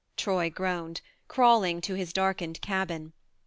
Troy groaned, crawling to his darkened cabin.